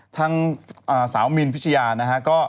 ทางสาวมินพิชยานะฮะ